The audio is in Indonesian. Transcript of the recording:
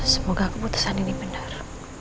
semoga keputusan ini benar